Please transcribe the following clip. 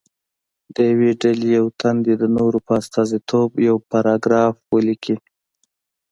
د یوې ډلې یو تن دې د نورو په استازیتوب یو پاراګراف ولیکي.